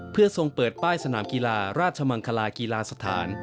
เพื่อทรงเปิดป้ายสนามกีฬาราชมังคลากีฬาสถาน